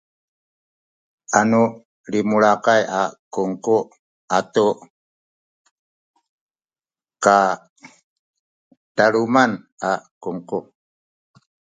anu limulakay a kungku atu kalaluman a kungku